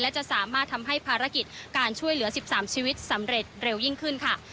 และจะสามารถทำให้ภารกิจการช่วยเหลือ๑๓ชีวิตสำเร็จเร็วยิ่งขึ้นค่ะ